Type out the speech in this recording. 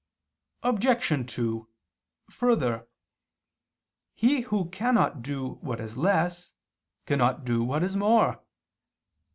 Obj. 2: Further, he who cannot do what is less, cannot do what is more.